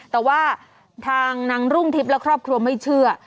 แต่ว่าทางนางรุ่งทิพย์และครอบครัวไม่เชื่อ